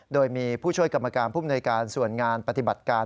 โดยมีผู้ช่วยกรรมการผู้มนวยการส่วนงานปฏิบัติการ